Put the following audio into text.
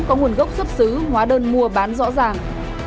có nguồn gốc xuất xứ hóa đơn mua bán rõ ràng